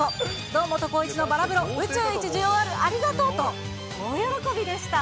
堂本光一の薔薇風呂、宇宙一需要ある、ありがとうと、大喜びでした。